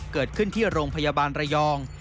เกิดขึ้นที่โรงพยาบาลระยอง